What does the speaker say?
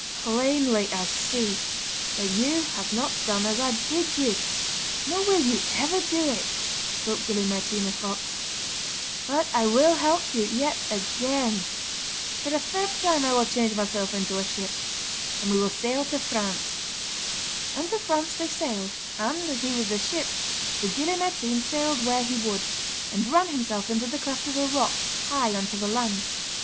'Plainly I see that you have not done as I bid you, nor will you ever do it,' spoke Gille Mairtean the fox; 'but I will help you yet again. for a third time I will change myself into a ship, and we will sail to France.' And to France they sailed, and, as he was the ship, the Gille Mairtean sailed where he would, and ran himself into the cleft of a rock, high on to the land.